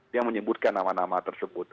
dia menyebutkan nama nama tersebut